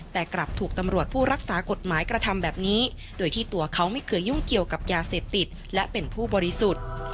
แต่กลับถูกตำรวจผู้รักษากฎหมายกระทำแบบนี้โดยที่ตัวเขาไม่เคยยุ่งเกี่ยวกับยาเสพติดและเป็นผู้บริสุทธิ์